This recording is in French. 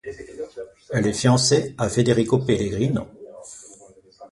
Elle est fiancée à Federico Pellegrino.